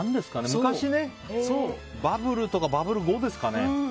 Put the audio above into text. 昔ね、バブルとかバブル後ですかね。